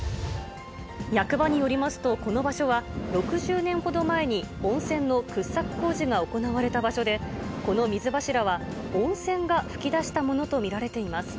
役場によりますと、この場所は６０年ほど前に温泉の掘削工事が行われた場所で、この水柱は温泉が噴き出したものと見られています。